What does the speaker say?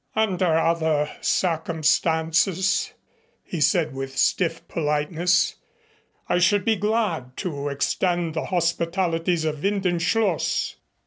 "Under other circumstances," he said with stiff politeness, "I should be glad to extend the hospitalities of Winden Schloss.